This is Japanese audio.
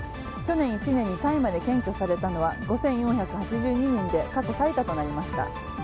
去年１年に大麻で検挙されたのは５４８２人で過去最多となりました。